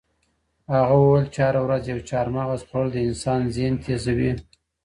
هغه وویل چې هره ورځ یو چهارمغز خوړل د انسان ذهن تېزوي.